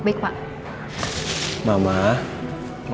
mama minum obat dulu yang dari dokter ya